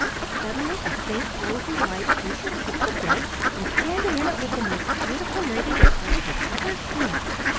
Suddenly a faint rosy light appeared at the foot of the bed, and standing in it was the most beautiful lady that Teddy had ever seen.